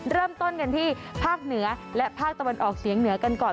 เริ่มต้นกันที่ภาคเหนือและภาคตะวันออกเฉียงเหนือกันก่อน